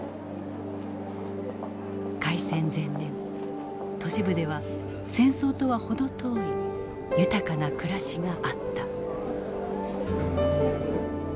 開戦前年都市部では戦争とは程遠い豊かな暮らしがあった。